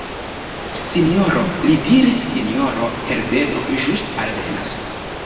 Sinjoro, li diris, sinjoro Herbeno ĵus alvenas.